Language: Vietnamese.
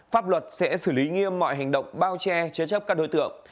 pháp luật sẽ xử lý nghiêm mọi hành động bao che chế chấp các đối tượng